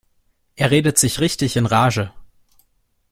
Er redet sich richtig in Rage.